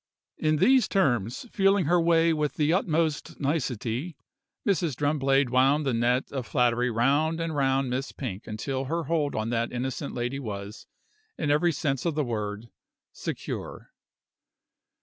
In these terms, feeling her way with the utmost nicety, Mrs. Drumblade wound the net of flattery round and round Miss Pink until her hold on that innocent lady was, in every sense of the word, secure.